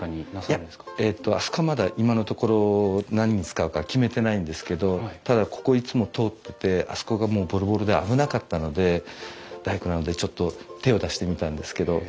いやあそこはまだ今のところ何に使うか決めてないんですけどただここいつも通っててあそこがもうボロボロで危なかったので大工なのでちょっと手を出してみたんですけどはい。